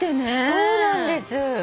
そうなんです。